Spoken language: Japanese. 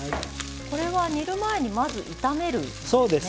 これは煮る前にまず炒めるんですね。